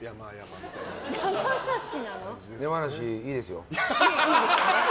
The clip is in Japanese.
山梨、いいですよ。